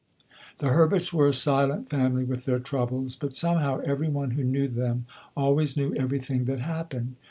The Herberts were a silent family with their troubles, but somehow every one who knew them always knew everything that happened.